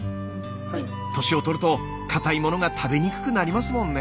年を取るとかたいものが食べにくくなりますもんね。